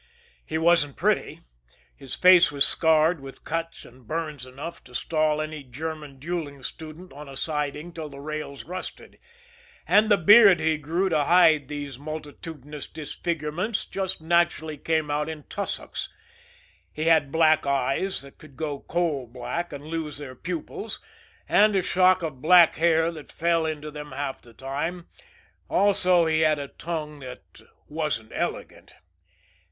He wasn't pretty. His face was scarred with cuts and burns enough to stall any German duelling student on a siding till the rails rusted, and the beard he grew to hide these multitudinous disfigurements just naturally came out in tussocks; he had black eyes that could go coal black and lose their pupils, and a shock of black hair that fell into them half the time; also, he had a tongue that wasn't elegant.